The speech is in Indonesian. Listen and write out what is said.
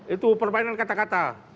itu permainan kata kata